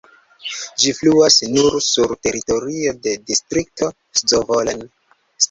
Ĝi fluas nur sur teritorio de Distrikto Zvolen.